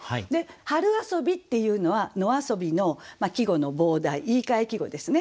「春遊び」っていうのは「野遊」の季語の傍題言いかえ季語ですね。